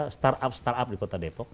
start up start up di kota depok